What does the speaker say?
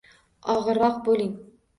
Og'irroq bo'ling.